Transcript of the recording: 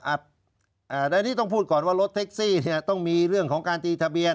อันนี้ต้องพูดก่อนว่ารถแท็กซี่ต้องมีเรื่องของการตีทะเบียน